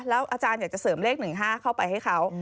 อาจารย์อยากจะเสริมเลข๑๕เข้าไปให้เขา